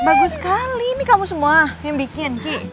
bagus sekali ini kamu semua yang bikin ki